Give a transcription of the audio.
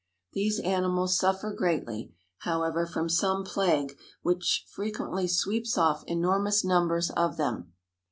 These animals suffer greatly, however, from some plague, which frequently sweeps off enormous numbers of them.